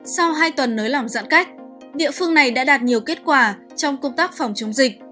sau hai tuần nới lỏng giãn cách địa phương này đã đạt nhiều kết quả trong công tác phòng chống dịch